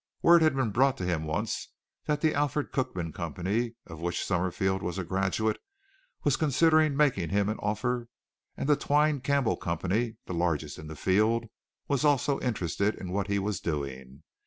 Word had been brought to him once that the Alfred Cookman Company, of which Summerfield was a graduate, was considering making him an offer, and the Twine Campbell Company, the largest in the field, was also interested in what he was doing.